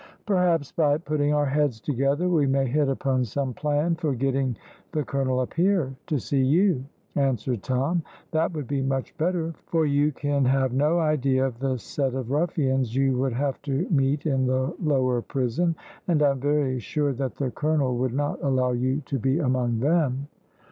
"Perhaps by putting our heads together we may hit upon some plan for getting the colonel up here to see you," answered Tom. "That would be much better, for you can have no idea of the set of ruffians you would have to meet in the lower prison, and I am very sure that the colonel would not allow you to be among them."